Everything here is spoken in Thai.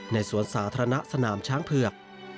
สวนสาธารณะสนามช้างเผือก